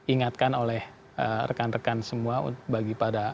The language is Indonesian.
ingatkan oleh rekan rekan semua bagi para